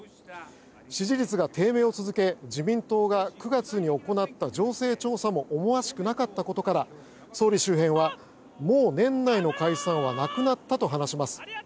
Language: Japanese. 支持率が低迷を続け自民党が９月に行った情勢調査も思わしくなかったことから総理周辺はもう年内の解散はなくなったと話します。